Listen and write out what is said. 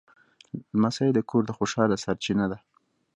لمسی د کور د خوشحالۍ سرچینه ده.